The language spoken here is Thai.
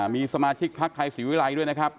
มีสมาชิกภักดิ์ไทยสิวิไลด์ด้วยนะครับ